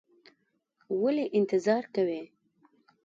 ولې انتظار کوې؟